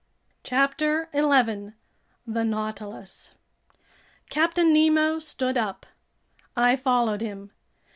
CHAPTER 11 The Nautilus CAPTAIN NEMO stood up. I followed him.